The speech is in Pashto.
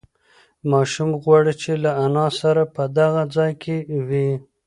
ماشوم غواړي چې له انا سره په دغه ځای کې وي.